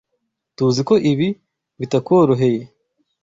Tuziko ibi bitakworoheye.